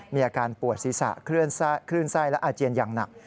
มีอาการปวดศีรษะคลื่นไส้และอาเจียนอย่างหนัก